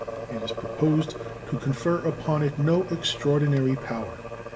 It is proposed to confer upon it no extraordinary power.